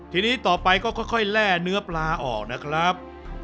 ทีนี้ต่อไปก็ค่อยแร่เนื้อปลาออกนะครับ